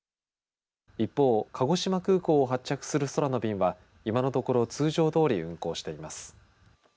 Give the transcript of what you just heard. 一方、鹿児島空港を発着する空の便は今のところ通常どおり運航しています。